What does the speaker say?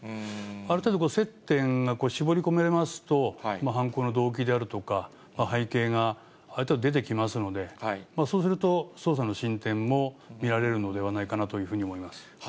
ある程度接点が絞り込めますと、犯行の動機であるとか、背景が出てきますので、そうすると、捜査の進展も見られるのではないかなというふうに思います。